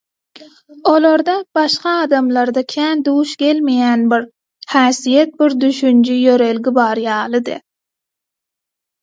Olarda başga adamlarda kän duş gelmeýän bir häsiýet, bir düşünje, ýörelge bar ýalydy.